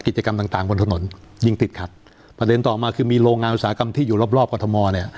กิจกรรมต่างต่างบนถนนยิ่งติดขัดประเด็นต่อมาคือมีโรงงานอุตสาหกรรมที่อยู่รอบรอบกรทมเนี่ย